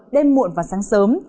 đêm muộn và sáng sớm